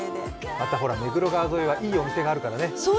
また目黒川沿いはいいお店があるからね。